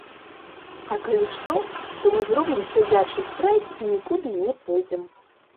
А калі што, то мы зробім сядзячы страйк і нікуды не пойдзем.